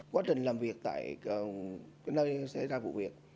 quá trình làm việc tại nơi xảy ra vụ việc